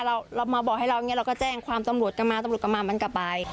เรามาบอกให้เราก็แจ้งความตำรวจกันมาตำรวจกันมามันกลับไป